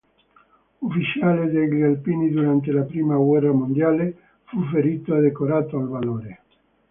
Ufficiale degli alpini durante la prima guerra mondiale, fu ferito e decorato al valore.